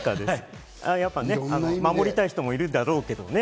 やっぱり、守りたい人もいるだろうけどね。